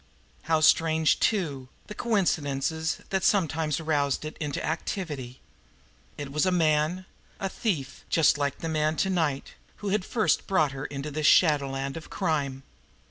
How strange, too, the coincidences that sometimes roused it into activity! It was a man, a thief, just like the man to night, who had first brought her here into this shadowland of crime.